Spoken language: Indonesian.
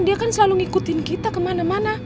dia kan selalu ngikutin kita kemana mana